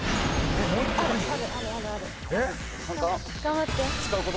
頑張って。